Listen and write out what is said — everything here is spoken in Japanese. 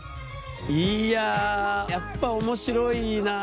いややっぱ面白いな！